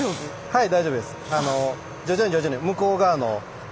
はい。